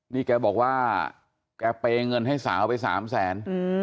นี่แกบอกว่าแกเปย์เงินให้สาวไป๓แสน